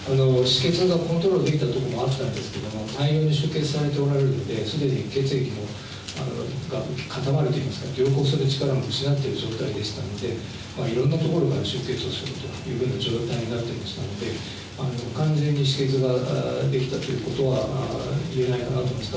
止血がコントロールできたところもあったんですけれども、大量に出血されておられるので、すでに血液が固まるといいますか、凝固する力を失っている状態ですので、いろんなところから出血をするというような状態になっていましたので、完全に止血ができたということは言えないかなと思います。